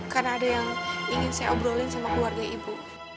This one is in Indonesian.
karena ada yang ingin saya obrolin sama keluarga ibu